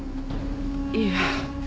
いえ。